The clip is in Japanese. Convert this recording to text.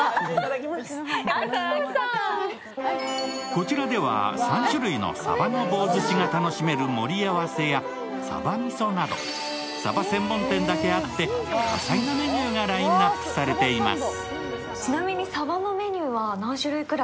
こちらでは３種類のさばの棒ずしが楽しめる盛り合わせやさばみそなどさば専門店だけあって、多彩なメニューがラインナップされています。